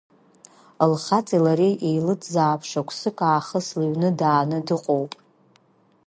Лхаҵеи лареи еилыҵзаап, шықәсык аахыс лыҩны дааны дыҟоуп.